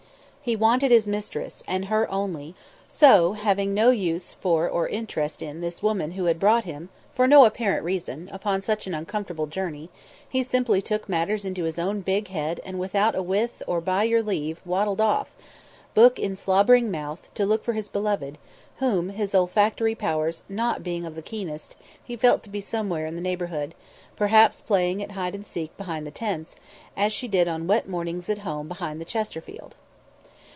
He wanted his mistress, and her only, so, having no use for or interest in this woman who had brought him, for no apparent reason, upon such an uncomfortable journey, he simply took matters into his own big head and without a with or by your leave waddled off, book in slobbering mouth, to look for his beloved, whom his olfactory powers not being of the keenest he felt to be somewhere in the neighbourhood, perhaps playing at hide and seek behind the tents, as she did on wet mornings at home behind the Chesterfield.